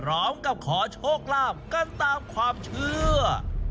พร้อมกับขอโชคลาภกันตามความเชื่อ